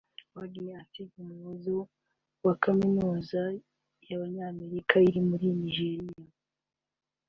Margee Ensign umuyobozi wa Kaminuza y’Abanyamerika iri muri Nigeriya